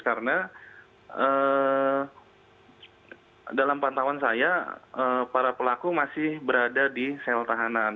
karena dalam pantauan saya para pelaku masih berada di sel tahanan